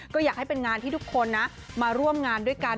ก็อยากให้เป็นงานที่ทุกคนนะมาร่วมงานด้วยกัน